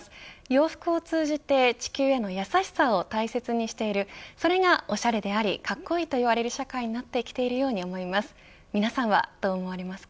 洋服を通じて地球へのやさしさを大切にしているそれがおしゃれでありかっこいいといわれる社会になってきているように思います。